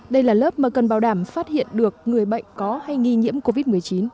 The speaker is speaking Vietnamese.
đây là lớp mà cần bảo đảm phát hiện được người bệnh có hay nghi nhiễm covid một mươi chín